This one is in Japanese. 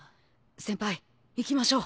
先輩行きましょう。